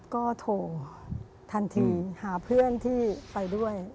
ก็โทรทันทีหาเพื่อนที่ไปด้วย